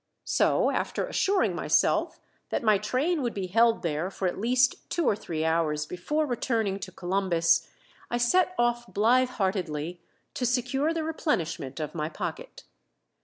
So, after assuring myself that my train would be held there for at least two or three hours before returning to Columbus, I set off blithe heartedly to secure the replenishment of my pocket.